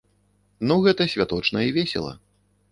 Ну гэта святочна і весела.